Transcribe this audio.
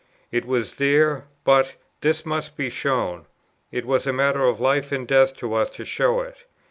It was there, but this must be shown. It was a matter of life and death to us to show it.